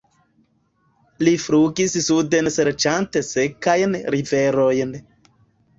Li flugis suden serĉante sekajn riverojn.